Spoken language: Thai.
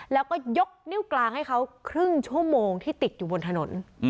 แล้วก็ยกนิ้วกลางให้เขาครึ่งชั่วโมงที่ติดอยู่บนถนน